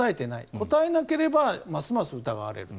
答えなければますます疑われると。